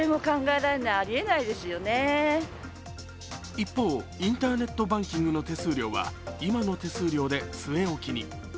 一方、インターネットバンキングの手数料は今の手数料手据え置きに。